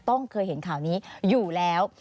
เคยเห็นข่าวนี้อยู่แล้ว